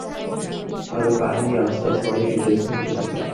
আর কাহিনী আস্তে আস্তে অনেক ইন্টারেস্টিং হতে থাকে।